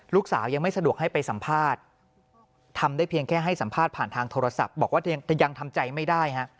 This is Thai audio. ยังไม่สะดวกให้ไปสัมภาษณ์ทำได้เพียงแค่ให้สัมภาษณ์ผ่านทางโทรศัพท์บอกว่ายังทำใจไม่ได้ฮะ